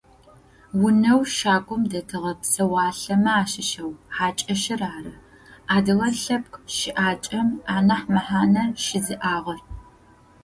Унэу щагум дэтыгъэ псэуалъэмэ ащыщэу хьакӏэщыр ары адыгэ лъэпкъ щыӏакӏэм анахь мэхьанэ щызиӏагъэр.